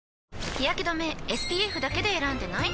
日やけ止めＳＰＦだけで選んでない？